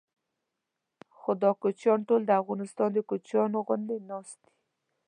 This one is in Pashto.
خو دا کوچیان ټول د افغانستان د کوچیانو غوندې ناست دي.